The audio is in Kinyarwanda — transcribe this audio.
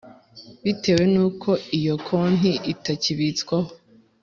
bitewe n’uko iyo konti itakibitswaho